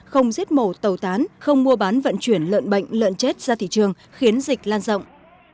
không giết mổ tàu tán không mua bán vận chuyển lợn bệnh lợn chết ra thị trường khiến dịch lan rộng